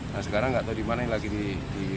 nah sekarang gak tahu dimana lagi di